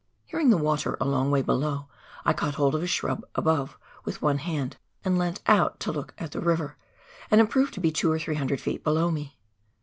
Hearing the water a long way below, I caught hold of a shrub above with one hand, and leant out to look at the river, and it proved to be two or three hundred feet below me.